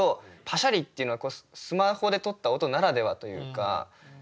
「パシャリ」っていうのはスマホで撮った音ならではというか。